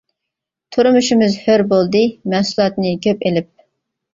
تۇرمۇشىمىز ھۆر بولدى، مەھسۇلاتنى كۆپ ئېلىپ.